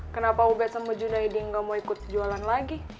kenapa ubed sama junaidin gak mau ikut jualan lagi